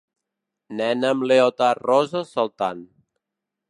Nena amb leotards roses saltant.